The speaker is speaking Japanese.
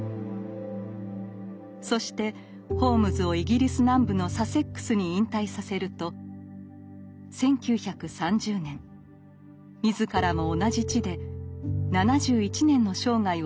そしてホームズをイギリス南部のサセックスに引退させると１９３０年自らも同じ地で７１年の生涯を静かに閉じました。